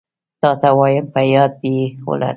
تاته وايم په ياد يي ولره